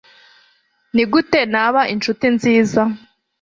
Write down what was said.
nigute naba inshuti nziza